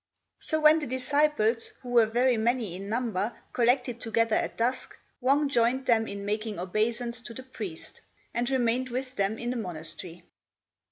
So when the disciples, who were very many in number, collected together at dusk, Wang joined them in making obeisance to the priest, and remained with them in the monastery.